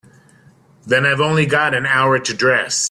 Then I've only got an hour to dress.